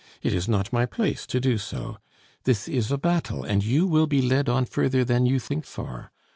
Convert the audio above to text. "It is not my place to do so. This is a battle, and you will be led on further than you think for.